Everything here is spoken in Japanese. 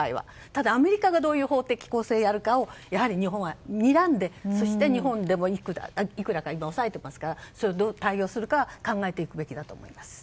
ただ、アメリカがどういう法的構成をやるかをやはり日本はにらんでそして日本でもいくらか押さえていますからどう対応するか考えていく必要があると思います。